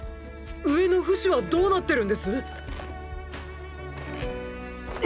上のフシはどうなってるんです⁉っ！